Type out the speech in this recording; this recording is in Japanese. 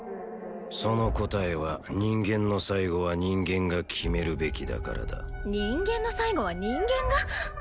その答えは人間の最期は人間が決めるべきだからだ人間の最期は人間が？